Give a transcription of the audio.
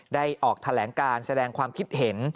ได้ออกแถลงการแสดงความคิดเห็น